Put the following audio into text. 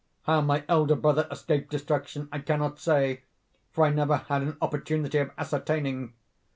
How my elder brother escaped destruction I cannot say, for I never had an opportunity of ascertaining.